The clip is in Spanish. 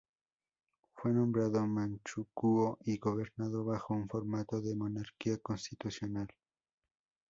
Fue nombrado Manchukuo y gobernado bajo un formato de monarquía constitucional.